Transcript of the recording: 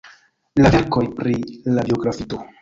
la verkoj pri la biografiito.